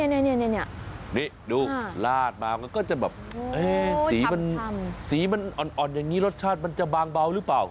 นี่ดูลาดมามันก็จะแบบสีมันสีมันอ่อนอย่างนี้รสชาติมันจะบางเบาหรือเปล่า